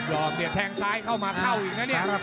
หลอกเนี่ยแทงซ้ายเข้ามาเข้าอีกนะเนี่ย